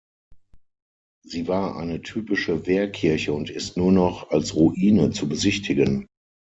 Sie war eine typische Wehrkirche und ist nur noch als Ruine zu besichtigen.